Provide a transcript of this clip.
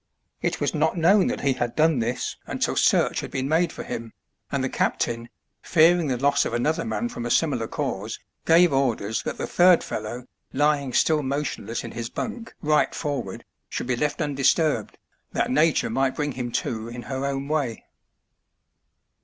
It was not known that he had done this until search had been made for him, and the captain, fearing the loss of another man from a similiar cause, gave orders that the third fellow, lying still motionless in his bunk A LUMINOUS SAILOR. 285 right forward, should be left undisturbed^ that nature might bring him to in her own way.